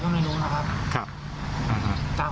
เราได้ดื่มกันไหม